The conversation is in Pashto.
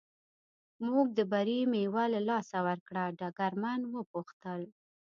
موږ د بري مېوه له لاسه ورکړه، ډګرمن و پوښتل.